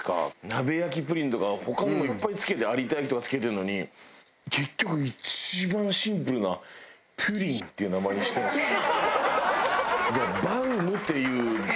鍋焼プリンとか他にもいっぱい付けて「有田焼」とか付けてるのに結局一番シンプルな「プリン」っていう名前にしてるんですよ。